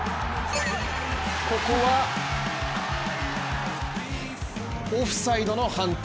ここはオフサイドの判定。